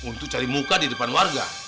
untuk cari muka di depan warga